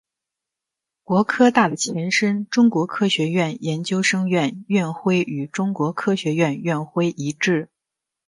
国科大的前身中国科学院研究生院院徽与中国科学院院徽一致。